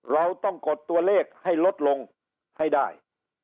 เราต้องกดตัวเลขให้ลดลงให้ได้